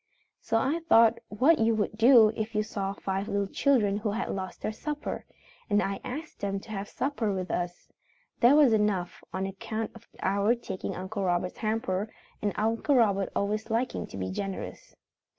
So I thought what you would do if you saw five little children who had lost their supper, and I asked them to have supper with us. There was enough, on account of our taking Uncle Robert's hamper, and Uncle Robert always liking to be generous.